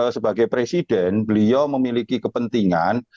sebagai presiden beliau memiliki kepentingan